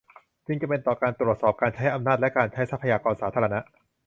ซึ่งจำเป็นต่อการตรวจสอบการใช้อำนาจรัฐและการใช้ทรัพยากรสาธารณะ